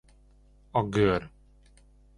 A gör.